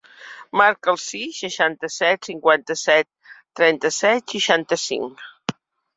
Marca el sis, seixanta-set, cinquanta-set, trenta-set, seixanta-cinc.